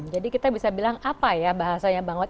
jadi kita bisa bilang apa ya bahasanya bang wad